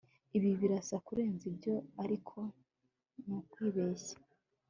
Ibi birasa kurenza ibyo ariko ni kwibeshya